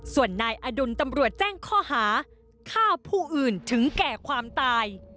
ส่วนนายอดุลตำรวจแจ้งข้อหาฆ่าผู้อื่นถึงแก่ความตาย